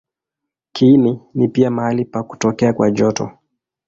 Kiini ni pia mahali pa kutokea kwa joto.